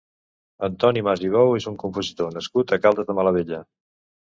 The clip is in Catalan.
Antoni Mas i Bou és un compositor nascut a Caldes de Malavella.